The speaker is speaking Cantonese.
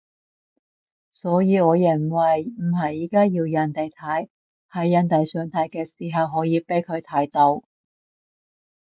所以我認為唔係而家要人哋睇，係人哋想睇嘅時候可以畀佢睇到